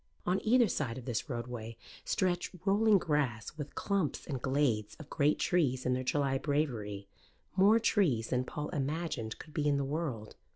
On either side of this roadway stretched rolling grass with clumps and glades of great trees in their July bravery more trees than Paul imagined could be in the world.